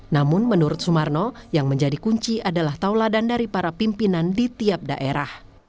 namun menurut sumarno yang menjadi kunci adalah tauladan dari para pimpinan di tiap daerah